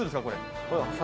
これ。